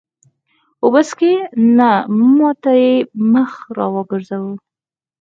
اوبه څښې؟ نه، ما ته یې مخ را وګرځاوه.